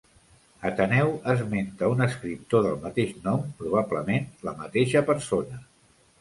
Ateneu esmenta un escriptor del mateix nom, probablement la mateixa persona.